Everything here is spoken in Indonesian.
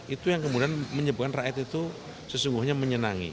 itu yang kemudian menyebabkan rakyat itu sesungguhnya menyenangi